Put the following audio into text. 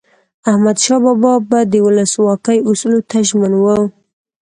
احمدشاه بابا به د ولسواکۍ اصولو ته ژمن و.